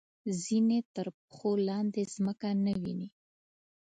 ځینې تر پښو لاندې ځمکه نه ویني.